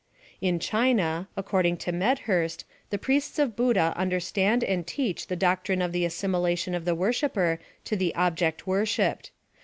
In China, according to Medhurst, the priests of Buddah understand and teach the doctrine of the assimilation of the worshipper to the object wor shipped.